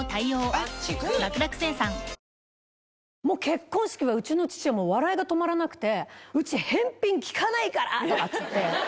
もう結婚式は、うちの父は笑いが止まらなくて、うち返品利かないからって言って。